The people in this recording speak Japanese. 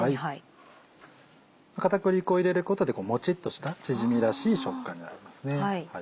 片栗粉を入れることでもちっとしたチヂミらしい食感になりますね。